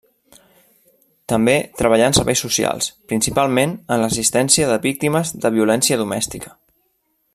També treballà en serveis socials principalment en l'assistència de víctimes de violència domèstica.